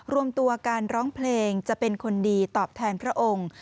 รวมตัวการร้องเพลงจะเป็นคนดีตอบแทนพระองค์